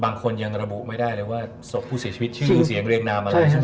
บางคนยังระบุไม่ได้เลยว่าศพผู้เสียชีวิตชื่อเสียงเรียงนามอะไรใช่ไหม